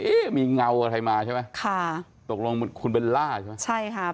เอ๊ะมีเงาอะไรมาใช่ไหมค่ะตกลงคุณเบลล่าใช่ไหมใช่ค่ะ